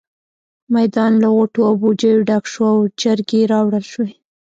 میدان له غوټو او بوجيو ډک شو او چرګې راوړل شوې.